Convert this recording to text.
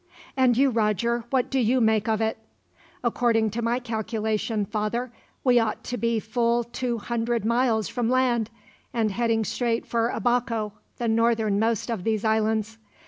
"And you, Roger, what do you make of it?" "According to my calculation, father, we ought to be full two hundred miles from land, and heading straight for Abaco, the northernmost of these islands."